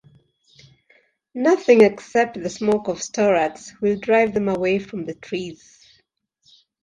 Nothing except the smoke of "storax" will drive them away from the trees.